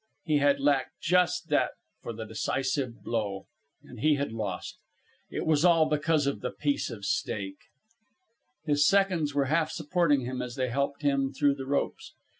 He had lacked just that for the decisive blow, and he had lost. It was all because of the piece of steak. His seconds were half supporting him as they helped him through the ropes.